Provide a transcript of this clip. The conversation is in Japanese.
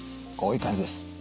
こういう感じです。